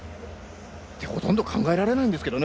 ほとんど考えられないんですけどね。